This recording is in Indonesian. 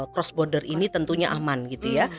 cross border ini tentunya aman gitu ya